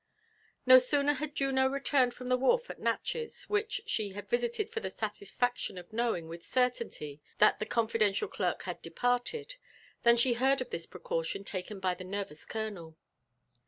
No sooner had Juno returned from the wharf at Natchez, which she had visiled for the satisfaction of knowing with certainty that the con* * fidential clerk had departed, than she heard of this precaution taken by the nervous colonel.